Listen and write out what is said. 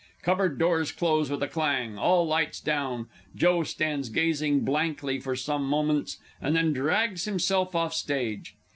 Cupboard doors close with a clang; all lights down._ JOE _stands gazing blankly for some moments, and then drags himself off stage.